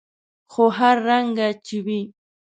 خو هر رنګه چې وي.